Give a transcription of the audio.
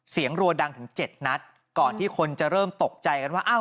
เสียงรัวดังถึง๗นัดก่อนที่คนจะเริ่มตกใจกันว่า